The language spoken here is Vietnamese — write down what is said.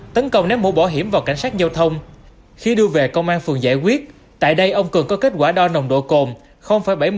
tấn công ném mũ bỏ hiểm vào cảnh sát giao thông